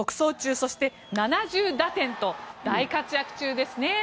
そして７０打点と大活躍中ですね。